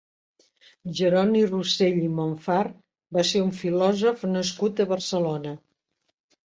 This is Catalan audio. Jeroni Rossell i Montfar va ser un filòsof nascut a Barcelona.